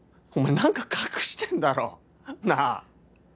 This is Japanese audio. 何か隠してんだろなあ？